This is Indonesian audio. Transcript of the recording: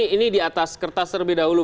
ini di atas kertas terlebih dahulu